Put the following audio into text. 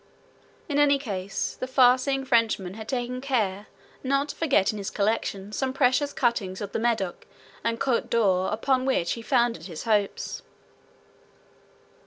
In any case, the far seeing Frenchman had taken care not to forget in his collection some precious cuttings of the Medoc and Cote d'Or, upon which he founded his hopes.